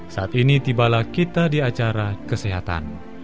saat ini tibalah kita di acara kesehatan